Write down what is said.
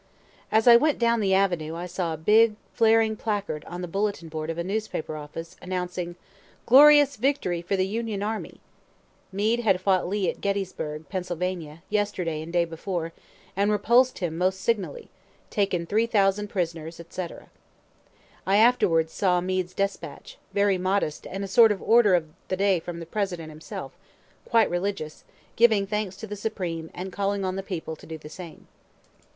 As I went down the Avenue, saw a big flaring placard on the bulletin board of a newspaper office, announcing "Glorious Victory for the Union Army!" Meade had fought Lee at Gettysburg, Pennsylvania, yesterday and day before, and repuls'd him most signally, taken 3,000 prisoners, &c. (I afterwards saw Meade's despatch, very modest, and a sort of order of the day from the President himself, quite religious, giving thanks to the Supreme, and calling on the people to do the same.)